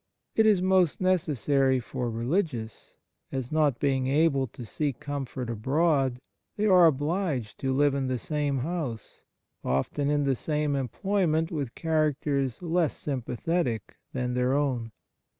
It is most necessary for religious, as, not being able to seek comfort abroad, they are obliged to live in the same house, often in the same employment with characters less sympathetic than their own.